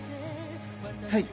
はい。